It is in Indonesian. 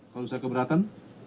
kalau saya keberatan